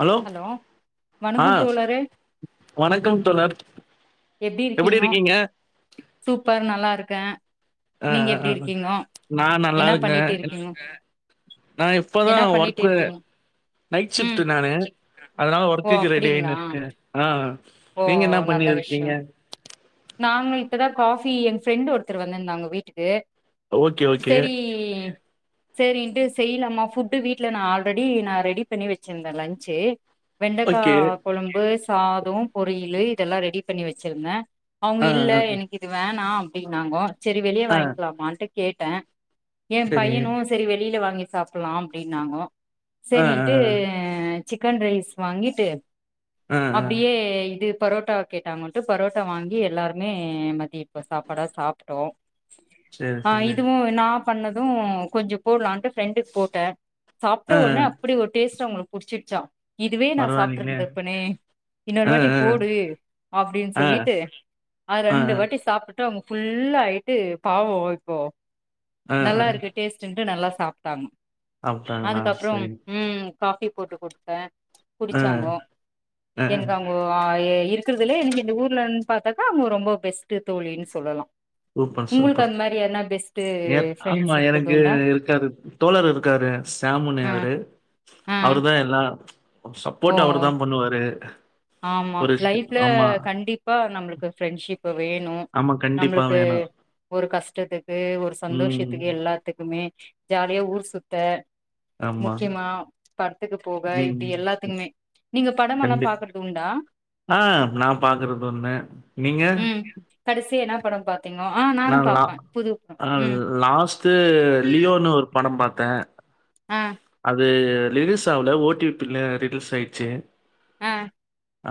Hello அ வணக்கம் தோழரே வணக்கம் தோழர் எப்டி இருக்கீங்க சூப்பர் நல்லா இருக்கே அ நீங்க அ எப்டி அ இருக்கீங்கோ நா நல்லா என்ன இருக்கே பண்ணிட்டு இருக்கீங்கோ நா இப்பதா என்ன பண்ணிட்டு ஒர்க்கு இருக்கீங்க நைட் ஷிப்ட் ம் நானு அதனால ஓ ஒர்க்குக்கு அப்டிங்களா ரெடியாயின்னுருக்கே ஆ ஓ நீங்க என்ன பண்ணி நல்ல விஷயோ இருக்கீங்க நாங்க இப்பதா காபி எ ஃப்ரெண்ட்டு் ஒருத்தர் வந்திருந்தாங்க வீட்டுக்கு ஓகே ஓகே சேரி சேரின்ட்டு செய்யலாமா ஃபுட்டு வீட்ல நா ஆல்ரெடி நா ரெடி பண்ணி வச்சிருந்தே லன்ச்சு வெண்டக்கா ஓகே கொழம்பு சாதம் பொரியலு இதெல்லா ரெடி பண்ணி வச்சிருந்தே அவங்க ஆ இல்ல ஆ எனக்கு இது வேணா அப்படின்னாங்க சரி வெளிய ஆ வாங்கிக்கலாமான்ட்டு கேட்டே என் சரி பையனும் சரி வெளியில வாங்கி சாப்பிட்லா அப்படின்னாங்க ஆ ஆ சேரின்ட்டு சிக்கன் ரைஸ் வாங்கிட்டு ஆ ஆ ஆ அப்டியே இது பரோட்டா கேட்டாங்கன்ட்டு பரோட்டா வாங்கி எல்லாருமே மதிய இப்ப சாப்பாடா சாப்ட்டோ சரி ஆ சரி இதுவும் நா பண்ணதும் கொஞ்சோ போட்லான்ட்டு ஃப்ரெண்டுக்கு போட்டே ஆ சாப்ட்ட ஆ உட்னே அப்படி ஒரு டேஸ்ட் அவங்களுக்கு புடிச்சிருச்சா இதுவே நா சாப்பிட்டு பரவாயில்லைங்களே இருந்துருப்பனே இன்னொரு ஆ வாட்டி ஆ போடு அப்டின்னு ஆ சொல்லிட்டு அது ஆ ரெண்டு ஆ வாட்டி சாப்பிட் றோம் ஃபுல்லா ஆயிட்டு பாவவோ இப்போ ஆ ஆ நல்லா இருக்கு டேஸ்ட்டுன்ட்டு நல்லா சாப்ட்டாங்க அப்டிங்களா அதுக்கப்றோ சரி உம் காபி போட்டு குடுத்தே ஆ குடிச்சாங்க ஆ எனக்கு அவங்க இப்போ இருக்கிறதுலே எனக்கு இந்த ஊர்ல இருந்து பாத்தாக்கா அவங்க ரொம்ப பெஸ்ட் தோழின்னு சொல்லலா உங்களுக்கு அந்த மாறி யார்னா பெஸ்ட்டு நேர் ஆமா எனக்கு இருக்காரு தோழர் இருக்காரு சேம்முன்னு ஆ அவரு ஆ அவரு தா எல்லா ஓ சப்போர்ட் அவரு தா பண்ணுவாரு ஆமா ஒரு ஷ் லைஃப்ல ஆமா. கண்டிப்பா நம்மளுக்கு ஃப்ரெண்ட்ஷிப்பு வேணு ஆமா. கண்டிப்பா நம்ளுக்கு வேணும். ஒரு கஷ்டத்துக்கு ஒரு ம். சந்தோஷத்துக்கு எல்லாத்துக்குமே ஜாலியா ஊர் சுத்த ஆமா. முக்கியமா படத்துக்கு போக ம். இப்படி எல்லாத்துக்குமே நீங்க படமெல்லா கண்டி பாக்கறது ஆ நா பாக்குறது ஒன்னு நீங்க கடசியா என்ன படம் பாத்தீங்கோ ஆ நானு பாப்பே புது படம் ம் லாஸ் து லியோனு ஒரு பட பாத்தே அ அது ரிலிஸ் சாவல ஓ டி பி ல ரீலிஸ் ஆய்ச்சி ஆ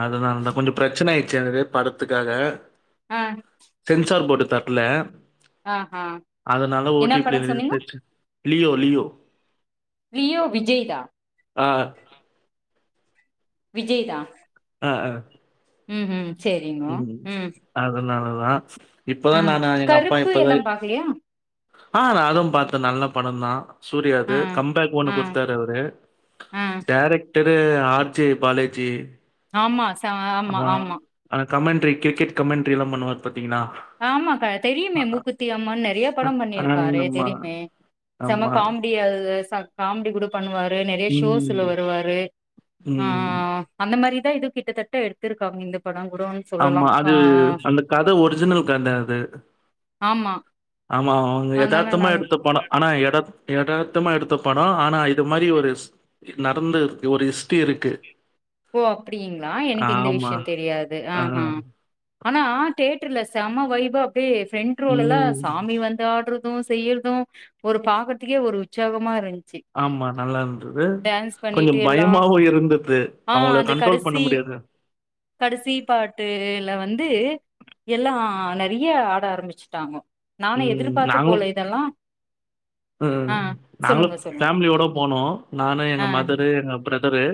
அதனால தா கொஞ்சோ பிரச்சன ஆயிருச்சி அந்த இது படத்துக்காக ஆ சென்சார் போடு தரல ஆஹா அதனால ஓ என்ன டி பி ல படம் ரிலீஸ் சொன்னீங்கோ ஆய்ருச்சி லியோ லியோ லியோ விஜய் தா ஆ விஜய் தா ஆ அ ம் ம் செரிங்கோ ம் அதனால தா இப்ப தா ஆ நானு எங்க அப்பா கருப்பு இப்ப தா எல்லா பாக்கலையா ஆ நா அதுவு பாத்தே நல்ல படம் தா ஆ சூர்யாது கம்பேக் ஒண்ணு ஆ குடுத்தாரு அவரு ஆ டேரக்டரு ஆர் ஜே பாலேஜி ஆமா ச ஆமா ஆமா அந்த கமெண்ட்ரி கிரிக்கெட் கமெண்ட்ரி எல்லா பண்ணுவாரு பாத்தீங்ளா ஆமா க தெரியுமே மூக்குத்தி அம்மன் நெறைய படம் பண்ணிருக்காரு ஆமா தெரியுமே செம்ம ஆமா காம் டி அது ச காமெடி கூட பண்ணுவாரு நெறைய ஷோஸ்ல ம் வருவாரு ஆ ம் அந்த மாரிதா இது கிட்டத்தட்ட எடுத்திருக்காங்க இந்த படோ கூடோ ஆமா அது அந்த கத ஒரிஜினல் கத அது ஆமா ஆமா அவுங்க அதனால எதார்த்தமா நல் எடுத்த படோ ஆனா எதார்த் எதார்த்தமா எடுத்த படோ ஆனா இது மாரி ஒரு நடந்திருக்கு ஒரு ஹிஸ்ட்ரி இருக்கு ஓ அப்டிங்ளா எனக்கு இந்த ஆமா விஷ்யோ தெரியாது ஆ ஹா ஆனா தேட்டர்ல செம வைப் அப்டியே ஃப்ரண்ட் ரோல எல்லா ம் சாமி வந்து ஆட்ற இதுவு செய்யறது ஒரு பாக்கறதுக்கே ஒரு உற்சாகமா இருந் ஆமா நல்லா இருந்தது கொஞ்சோ பண்ணிட்டு எல்லா பயமாவு இருந்தது ஆ அவங்கள அந்த கண்ட்ரோல் பண்ண கடசி முடியாது. கடசி பாட்டுல வந்து எல்லா நெறைய ஆட ஆரம்பிச்சிட்டாங்கோ நானு ம் எதிர்பாத்து நாங்களும் போல இதெல்லா ம் ஆ நாங்களு சொல்லுங்க சொல்லுங்க ஃபேம்லியோட போனோ நானு எங்க ஆ மதரு எங்க பிரதரு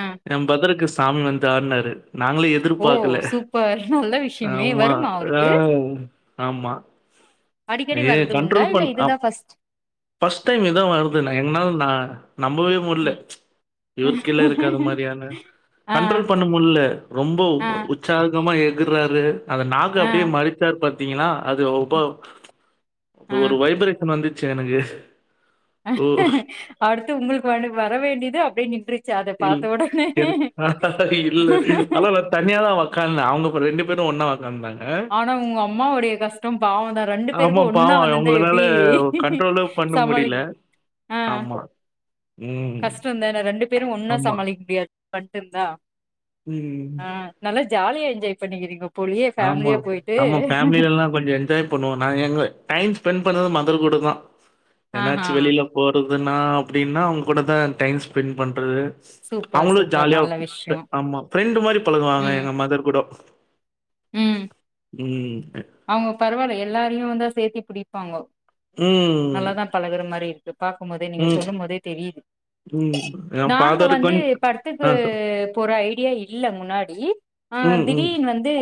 ஆ எ பிரதருக்கு சாமி வந்து ஆடுனாரு நாங்களு எ ஓ திர்பாக்கல சூப்பர் நல்ல விஷயமே ஆமா வருமா ஆ அவருக்கு ஆமா அடிக்கடி அதே வர்றது உண்டா கண்ட்ரோல் இல்ல பண் இதுதா அப் ஃபர்ஸ்ட் ஃபஸ்ட் டைம் இதா வருது நா என்னால நா நம்பவே முடில இவருக்கு கீழ இருக்காத மாரியான ஆ கண்ட்ரோல் பண்ண முட்ல ரொம்போ ஆ உ ற்சாகமா எகுறாரு அந்த நாக்கு ஆ அப்டியே மறிச்சாரு பாத்தீங்கனா அது ஒப்போ அது ஆ ஒரு வைப்ரேஷன் வந்துச்சி எனக்கு ஓ! அடுத்து உங்களுக்கு வட வர வேண்டியது அப்டியே நின்று இல் எது இல்ல ஆனா நா தனியா தா ஒக்காந்தே அவங்க அப்ப ரெண்டு பேரு ஒன்னா வ ந்தாங்க ஆனா உங்க அம்மாவுடைய கஷ்டம் பாவந்தா ரெண்டு பேருக்கு ஆமா ஒன்னா பாவோ வந்திருந்தா எப்டி அவுங்கனால கண்ட்ரோலே பண்ண முடில சமாளிக்க ஆமா ம். கஷ்டோந்தான ரெண்டு பேரு ஒன்னா ஆமா. சமாளிக்க முடியாது மட்டு தா ம். ஆ நல்லா ஜாலியா என்ஜாய் பண்ணிக்கிறீங்க போலையே ஃபேம்லியா போய்ட்டு கொஞ்சோ என்ஜாய் பண்ணுவோ நா எங்க டைம் ஸ்பெண்ட் பண்ணது மதர் கூட தா ஆஹா என்னாச்சு வெளில போறதுன்னா அப்படின்னா அவங்க கூட தா டைம் ஸ்பெண்ட் பண்றது சூப்பர் அவங்களு சூப்பர் ஜாலியா நல்ல விஷ்யோ ஆமா ப்ரெண்டு் மாதிரி பழகுவாங்க ம் எங்க மதர் கூட ம் ம் அவங்க பரவால்ல எல்லாரையு வந்தா சேத்தி பிடிப்பாங்கொ ம் பழகுற மாரி இருக்கு பாக்கும்போதே நீங்க ம் சொல்லும் போதே தெரியுது ம் என் நாங்க ஃபாதர் வந்து கொஞ் படத்துக்கு ஆ சொ போற ஐடியா இல்ல முன்னாடி ஆ ம் ம் திடீன் வந் து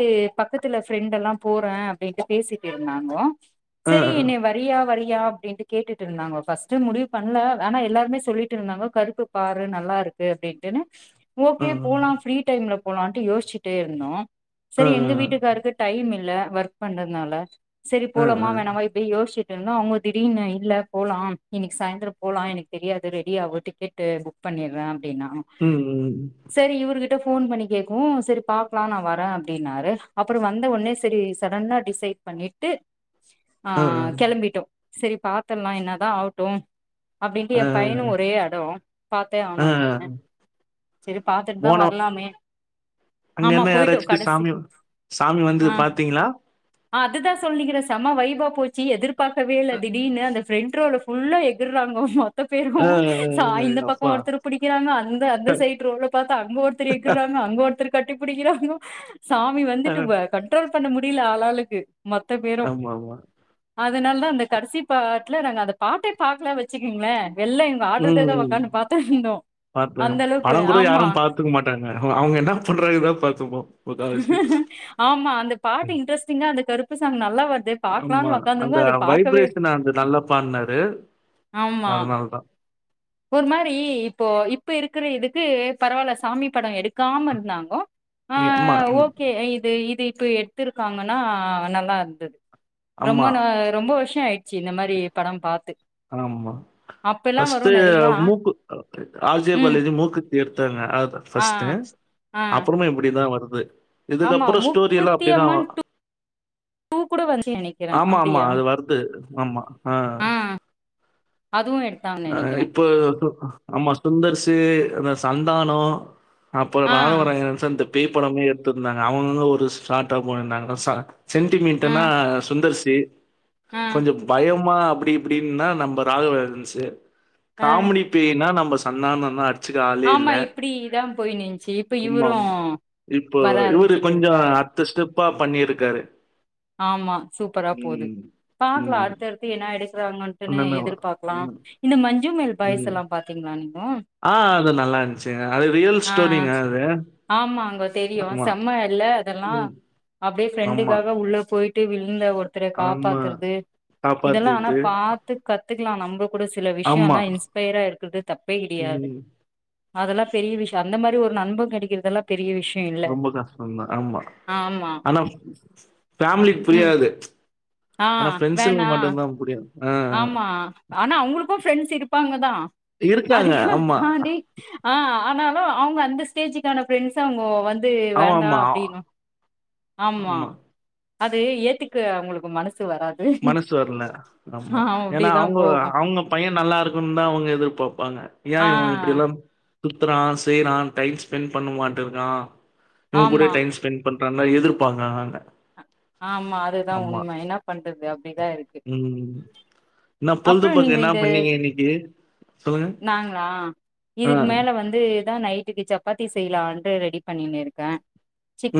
பக்கத்துல ஃபிரண்டெல்லா போறனு பேசட்டு இருந்தங்கோ ஆ சரி ஆ என்ன வ வரியா வறய அப்படின்னு கேட்டுட்டு இருந்தாங்கோ பஸ்ட்டு முடிவு பண்ணல ஆனா எல்லாருமே சொல்லிட்ருந்தாங்கோ கருப்பு பாரு நல்லா இருக்கு அப்படின்ட்டுன்னு ஆ ஓகே போலா ஃப்ரீ டைம்ல போலான்ட்டு யோசிச்சுட்டே இருந்தோ ஆ சரி எங்க வீட்டுக்காரருக்கு டைம் இல்ல ஒர்க் பண்றதுனால சரி ஆ போலமா ஆ வேணாமா அப்டி யோசிச்சட்ருந்தோ அவங்க திடீனு இல்ல போலா இன்னைக்கி சாயந்திர போலா எனக்கு தெரியாது ரெடி ஆவு டிக்கெட் டு புக் பண்ணிறே அப்படின்னா ம் ம் செரி இவருகிட்ட ஃபோன் பண்ணி கேட்கவு செரி பாக்கலா நா வரே அப்டின்னாரு அப்றோ வந்த ஒனே செரி சடன்னா டிசைட் பண்ணிட்டு ஆ கெளம்பிட்டோ செரி பாத்தர்லா என்ன தா ஆவட்டு அப்டின்ட்டு ஏ ஆ பையனு ஒரே அடோ பாத்தே ஆ ஆவனுன்ட்டு செரி பாத்துட்டு தா போனோ வரலாமே அங்க ஆமா என்ன போய்ட்டோ கடைசி ஆ த்தீங்களா ஆ அது தா சொல்லிக்கறே செமா வைப்பா போச்சு எதிர் பாக்கவே இல்ல அ திடீனு அந்த ஃபெண்ட் ரோல் ஃபுல்லா எகுறாங்க. மொ த்த பேரு ஆ சா இந்த பக்க அப்பா ஒருத்தர புடிக்கிறாங்க அந்த அந்த சைட் ரோல பாத்தா அங்க ஒரு த்தர் ஏகுராங்க அங்க ஒருத்தரு கட்டி புடிக்கிறாங்கோ சாமி ஆமா வந்துட்டு வ கண்ட்ரோல் பண்ண முடில ஆளாளுக்கு மொத்த பேரு ஆமா அதனால தா அந்தக் கடைசி பாட்டுல நாங்க அந்த பாட்டே பாக்கல வச்சுக்கிங்களே எல்லா ஆடுறதே தா உக்காந்து பாத்துனுருந்தோ பா பட கூட யாரு பாத்துக்க மாட்டாங்க அவ அவங்க என்ன பண்றாங்கறதா பாத்துருப்போ ஆமா அந்த பாட்டு இன்ட்ரெஸ்டிங்கா அந்த கருப்பு சாங் நல்லா வருதே பாக்கலான்னு ஆமா உக் அந்த வைப்ரேஷன்ல அந்த நல்லா பாட்ண்னாரு ஆமா ஒரு மாரி இப்போ இப்ப இருக்கிற இதுக்கு பரவால்ல சாமி பட எடு க்காம இருந்தங்கோ ஆ ஆமா ஆமா ஓகே இது இது இப்போ எ த்துருக்காங்கன்னா நல்லா இருந்தது ரொம்ப ஆமா நா ரொம்ப வருஷ ஆ யிருச்சி இந்த மாரி பட பாத்து ஆமா அப்பெல்லா வரு ஃபர்ஸ்ட்டு நெறையா டு மூக்கு ஆர் ஜே ம் பாலாஜி மூக்குத்தி எடுத்தாங்க ஆ ஃபர்ஸ்ட்டு ஆ அப்புறமு இப்படிதா வருது ஆமா இதுக்குகப்பற ஸ்டோரி எல்லா மூக்குத்தி அப்படிதா அம்மன் டூ கூட வந்துச்சு நெனைக்கிறே ஆமா ஆமா அப்டியா அது வரு து ஆமா ஆ. அதுவும் வேணு அ இப்ப ஆமா சுந்தர் சி அந்த சந்தானோ அப்பறோ ஆ ராகவாராயன் சார் இந்த பேய்ப்படமே எடுத்திருந்தாங்க அவங்களுக்கு ஒரு ஸ்டார்டா போயிருந்தாங்க சா ஆ சென்டிமீட்டுனா சுந்தர் சி ஆ கொஞ்சோ பயமா அப்படி இப்படின்னா நம்ம ராகவா லாரன்ஸ்சு ஆ காமீடி பேய்ன்னா நம்ம சந்தானம் தா அடுத் ஆமா இப்டி இத்தா போயின்ச்சு இப்ப ஆமாமா. இவரும் இப்போ இவரு கொஞ்சே அடுத்த ஸ்டெப்பா பண்ணியிருக்காரு ஆமா சூப்பரா போது ம். பாக்லா ம். அடுத்தடுத்து என்னா எடுக்கறாங்கன்னு உடனே என்னென்னவா? எதிர்பாக்லா ம். இந்த மஞ்சு மேல் ம். பாய்ஸ்ல்லா பாத்தீங்ளா நீங்க ஆ அது நல்லா இருன்ச்சிங்க அது ரியல் ஆ ஸ்டோரிங்க அது ஆமாங்க தெரியு ஆமா. செம்ம இல்ல அதுல்லா ம். அப்டியே ஆமா, ஃப்ரெண்டுக்காக உள்ள போயிட்டு விழுந்த ஒரு த்தர ஆமா. காப்பாத்துறது இதெல்லா ஆனா காப்பாத்திட்டு. பாத் து கத்துக்கலா நம்பகூட சில ஆமா. விஷயல்லா இன்ஸ்பயரா இருக்கறது தப்பே கிடையாது ம். அதெல்லா பெரிய விஷயம் அந்த மாதிரி ஒரு நண்ப கிடக்கிறதுல்லா பெரிய விஷயம் ரொம்ப கஷ்டந்தா ஆமா ஆமா ஆனா ஃபேமிலிக்கு ம் புரியாது ஆ ஆனா வேணா ஃப்ரண்ட்ஸ்ங்களுக்கு மட்டுந்தா புரியு ஆமா ஆனா அவங்ளுக்கு ஃப்ரெண்ட்ஸ் இருப்பாங்க தா இருக்காங்க. அதையு ஆமா. தாண்டி ஆ ஆனாலு அவங்க அந்த ஸ்டேஜுக்கான ஃப்ரெண்ட்ஸ்ச அவங்க வந் து வேண்டா ஆமாமா. அப்டினோ ஆமா அது ஏத்துக்க அவங்களுக்கு மனசு வராது மனசு வர்ல ஆமா ஆ ஏன்னா அப்டிதா அவுங்க போகு அவுங்க பையன் நல்லா இருக்குன்னு தா அவுங்க எதிர்பாப்பாங்க ஏன் ஆ இவன் இப்படியெல்லா சுத்துறா செய்றா டைம் ஸ்பெண்ட் பண்ண மாட்டு இருக்கா இவன் கூட ஆமா டைம் ஸ்பெண்ட் பண்றான்னா எதிர்ப்பாங்க ஆங்க ஆமா அதுதா உண்மை என்னா பண்றது அப்டிதா இருக்கு உம் என்னா பொழுது அப்புற போக்கு நீங்க என்ன இந்த பண்ணீங்க இன்னிக்கு சொல்லுங்க அ இதுதா நைட்டுக்கு சப்பாத்தி செய்யலாண்டு ரெடி பண்ணினு இருக்கே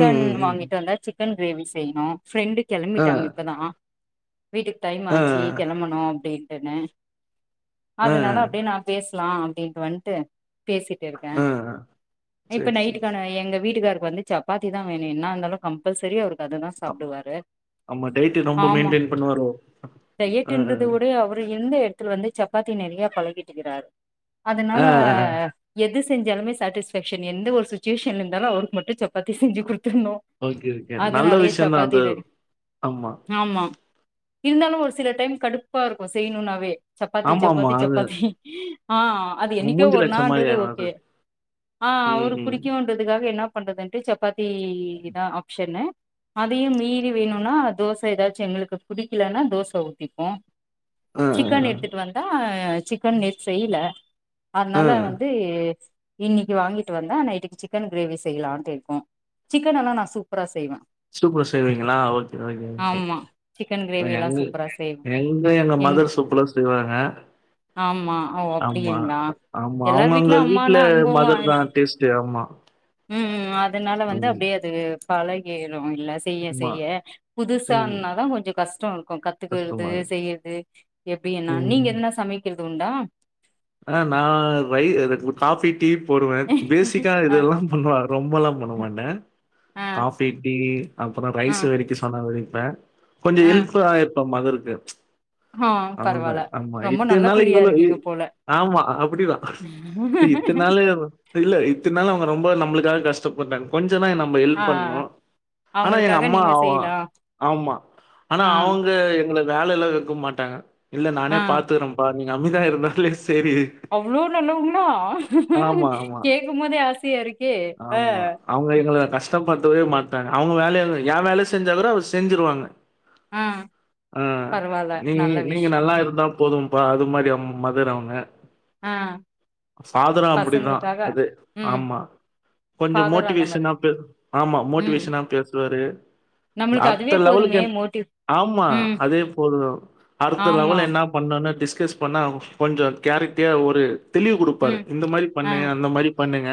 ம், ம், ம். வாங்கிட்டு வந்தா சிக்கன் கிரேவி செய்ணு ஃப்ரெண்டு ஆ, கிளம்பிட்டாங்க இப்பதா வீட்டுக்கு ஆ, டைமாச்சி கெளம்பணு அப்டின்ட்டுன்னு ஆ, அதனால அப்டியே நா பேஸ்லா அப்டின்ட்டு வன்ட்டு பேசிட்டு இருக்கே ஆ. இப்ப சரி, சரி, நைட்டுக்கான சரி. எங்க வீட்டுக்காருக்கு வந்து சப்பாத்தி தா வேணு என்ன இருந்தாலு கம்பல்சரி அவருக்கு அதுதா அப் சாப்டுவாரு ஆமா டய்ட்டு ரொம்ப ஆமா மெயின்டன் பண்ணுவாரோ அ டயட்டுன்றத விட அவரு இருந்த இடத்துல வந்து சப்பாத்தி நெறையா பழகிட்டுக்கிறாரு ஆ, அதனால ஆ, எது செஞ்சாலுமே சாட்டிஸ்பேக்க்ஷன் எந்த ஒரு சுச்சுவேஷன்ல இருந்தாலு அவருக்கு மட்டும் சப்பாத்தி செஞ்சு குடுத்துட்ணு ஓகே ஓகே நல்ல விஷயந்தா அது ஆமா ஆமா இருந்தாலு ஒரு சில டைம் கடுப்பா இருக்கு செய்ணுனாவே சப்பாத்தி ஆமாமா. சப்பாத்தி அது சப்பாத்தி ஆ அது நம்ம என்னிக்கோ மூஞ்சில ஒரு அடிச்ச மாரி நாள்ன்றது ஆயிரும் அது. ஓகே ஆ ம் அவருக் ம் புடிக்கு ன்றதுக்காக என்னா பண்றதுன்ட்டு சப்பாத்தி தா ஆப்ஷனு அதயு மீறி வேணுனா தோசை ஏதாச்சு எங்களுக்கு புடிக்கலன்னா தோசை ஊத்திப்போ ஆ ஆ சிக்கன் ஆ எடுத்துட்டு வந்தா சிக்கன் நேத் செய்ல ஆ அதனால வந்து இன்னிக்கி வாங்கிட்டு வந்தா நைட்டுக் சிக்கன் கிரேவி செய்யலான்ட்டு இருக்கோ சிக்கன்லா நா சூப்ரா செய்வே சூப்பர் செய்வீங்களா ஓகே ஓகே ஓகே ஆமா சிக்கன் கிரேவி எங்க எல்லா அண்ணி சூப்பரா செய்வே எங் க எங்க எங் மதர் சூப்பரா செய்வாங்க ஆமா ஓ ஆமா அப்டிங்களா ஆமா எல்லார் அவங்கவ்ங்க வீட்ல அம்மானா அனுபவோ மதர் ஆயிரு தா டேஸ்டு ஆமா ம் ம் அதனால வந்து ம். அப்டியே அது பலகிறோ இல்ல செய்ய ஆமா. செய்ய ம். புதுசானாதா கொஞ்ச கஷ்ட இருக்கு கத்துகற்து கஷ்டமா இருக்கு. செய்யற்து எப்டினா நீங்க ம். எதுன்னா சமக்கிறது உண்டா ஆ நா ரை காபி டீ போடுவே பேசிக்கா ஆ இதெல்லா பண்வ ரொம்பெலா பண்ண மாட்டே ஆ காஃபி டீ அப்புற ஆ ரைஸ் வடிக்க சொன்னா வெடிப்பே கொஞ்ச ஆ ஹெல்ப யிருப்பே மதுருக்கு ஆ அவ்ளோதா பரவால்ல ஆமா ரொம்ப நல்ல இத்தனால புள்ளியா இவ்ளோ இ இருக்கீங்க போல ஆமா அப்டி தா இத்தனநா ளு இல்ல இத்தனாலு அவங்க ரொம்ப நம்மளுக்காக கஷ்டப்பட்டாங்க கொஞ்ச நா நம்ம ஆ ஹெல்ப் பண்ணணு ஆனா எங்க அவங்களுக்காக அம்மா நீங்க செய்யலா ஆமா ஆனா ஆ அவ்ங்க எங்களுக் வேலல்லா வெக்க மாட்டாங்க இல்ல நானே ஆ பாத்துக்கறேன்ப்பா நீங்க அமைதியா இருந்தாலே சேரி அவ்ளோ நல்லவுங்களா ஆமா கேக்கும் போதே ஆசையா இருக் ஆமா அவங்க எங்கள கஷ்டப்படுத்தவே மாட்டாங்க அவங்க வேல ஏ வேலைய செஞ்சா கூட அவங்க செஞ்சுருவாங்க ஆ ஆ பரவால்ல நீங் நல்ல நீங்க விஷயோ நல்லா இருந்தா போதும்பா அது மாரி அவங் மதர் அவங்க ஆ சாதர அப்டிதா பசங்களுக்காக அது ம் ஆமா கொஞ்ச ஃபாதரு அந்த மோட்டிவேஷனா மாதிரி பே ஆமா ம் மோட்டிவேஷனா பேசுவாரு நம்மளுக்கு அதுவே அடுத்த லெவலுக்கு போதுமே மோட்டிவ் ஆமா ம் அதே போது அடுத்த ஆமா லெவல் என்ன ன பண்ணனுன்னு டிஸ்கஸ் பண்ணா கொஞ்சோ கேரிட்டியா ஒரு தெளிவு குடுப்பாரு ம் இந்த மாரி ஆ பண்ணு அந்த மாரி பண்ணுங்க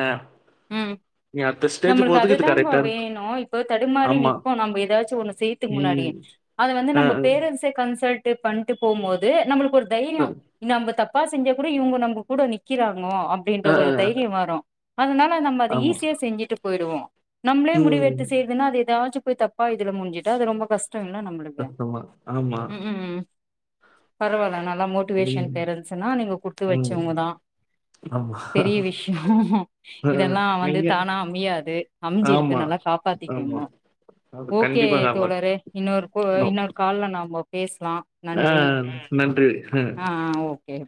ம் நீ அடுதச் நம்ளுக்கு அதுதாங்கோ வேணு இப்போ தடுமாறி ஆமா. நிப்போ நம்ம ஏதாச்சு ஒண்ணு சேய்த்துக்கு முன்னாடி ம். அத வந்து அ, நம்ம பேரன்ஸே கன்சல்ட் பண்ணிட் போம் போது நம்ளுக்கு ஒரு அ, தைரியோ நம்ம தப்பா செஞ்ச கூட இவங்க நம்ம கூட நிக்கிறாங்கோ அப்டின்ற அ, அ, ஒரு அ. தைரியோ வரோ அதனால நம்ம அது ஆமா. ஈஸியா செஞ்சுட்டு போயிடுவோ நம்மளே முடி ம். வெடுத்து செய் துன அது ஏதாச்சுபோய் தப்பா இது முஞ்சுட்டு அது ரொம்ப கஷ்டம்ல்ல நம்ளுக் ருக்க சத்தமா. ஆமா. ம்ஹூம் பரவால்ல நல்லா மொ மோட்டிவேசன் ம். பேரன்ஸ்ன நீங்க குடுத்து ம். வச்சவங்க தா ஆமா. பெரிய விஷயோ அ, இதெல்லா வந்து நீங்க தானா அமயாது அமிஞ்சிருக்கு ஆமா, நல்லா ஆமா. காப்பாத்திக்கணு அது ஓகே கண்டிப்பா காப்பாத்தும். தோழரே இன்னோரு கோ இன்னோரு கால்ல நாம பேசலா ஆ நன்றி நன்றி ஆ ஆ ஓகே